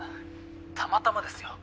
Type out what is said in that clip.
たまたまですよ。